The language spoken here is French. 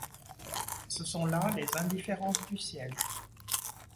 Ce sont là les indifférences du ciel.